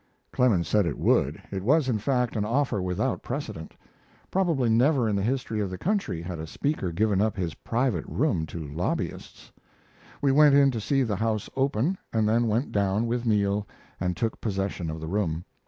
Clemens said it would. It was, in fact, an offer without precedent. Probably never in the history of the country had a Speaker given up his private room to lobbyists. We went in to see the House open, and then went down with Neal and took possession of the room.